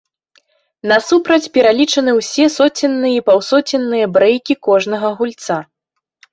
Насупраць пералічаны ўсе соценныя і паўсоценныя брэйкі кожнага гульца.